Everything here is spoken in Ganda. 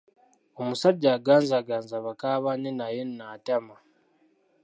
Omusajja aganzaganza baka banne naye nno atama.